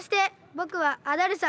ぼくはアダルサ。